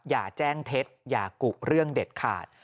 อย่าแจ้งเท็จอย่ากุเรื่องเด็ดขาด